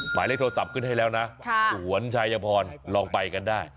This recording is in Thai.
หมายเลขโทรศัพท์ขึ้นให้แล้วนะสวนชายพรลองไปกันได้